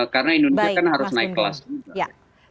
karena indonesia kan harus naik kelas